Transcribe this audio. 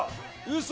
嘘！